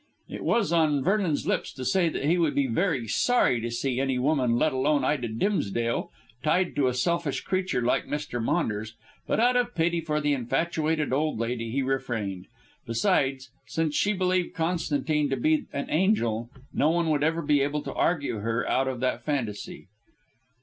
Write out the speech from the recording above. It was on Vernon's lips to say that he would be sorry to see any woman, let alone Ida Dimsdale, tied to a selfish creature like Mr. Maunders, but out of pity for the infatuated old lady he refrained. Besides, since she believed Constantine to be an angel, no one would ever be able to argue her out of that fancy.